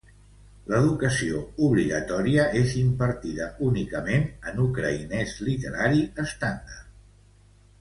L'educació obligatòria és impartida únicament en ucraïnés literari estàndard.